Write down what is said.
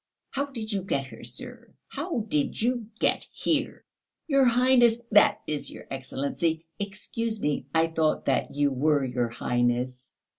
How did you get here, sir? How did you get here?" "Your Highness, that is, your Excellency.... Excuse me, I thought that you were your Highness.